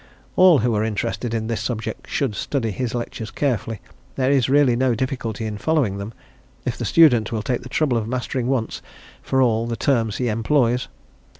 All who are interested in this subject should study his lectures carefully; there is really no difficulty in following them, if the student will take the trouble of mastering once for all the terms he employs.